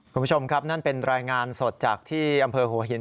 คุณผู้ชมครับนั่นเป็นรายงานสดจากที่อำเภอหัวหิน